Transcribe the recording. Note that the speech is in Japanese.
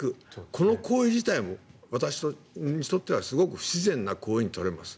この行為自体も、私にとってはすごく不自然な行為に取れます。